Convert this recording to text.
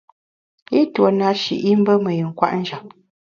I tuo na shi i mbe me yin kwet njap.